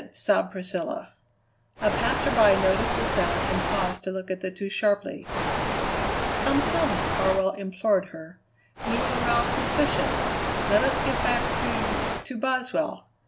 sobbed Priscilla. A passerby noticed the sound and paused to look at the two sharply. "Come, come," Farwell implored her; "we will arouse suspicion. Let us get back to to Boswell.